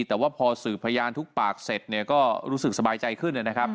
แต่ว่าพอสืบพยานทุกปากเสร็จเนี่ยก็รู้สึกสบายใจขึ้นนะครับ